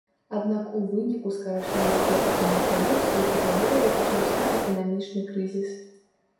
Аднак у выніку скарачэння попыту на прадукцыю кітабояў пачаўся эканамічны крызіс.